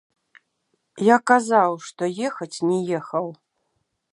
Я казаў, што ехаць не ехаў.